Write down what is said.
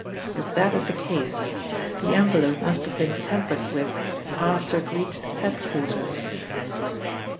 If that is the case, the envelope must have been tampered with after it reached head quarters."